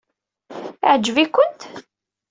Iɛǧeb-ikent?